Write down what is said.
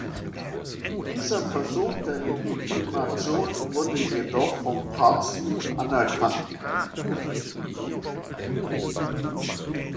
Dieser Versuch der Legitimation wurde jedoch vom Papst nicht anerkannt.